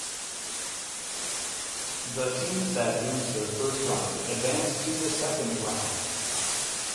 The teams that lose their first round advance to the second round.